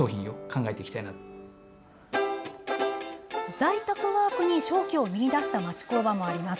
在宅ワークに、商機を見いだした町工場もあります。